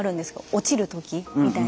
落ちる時みたいな時。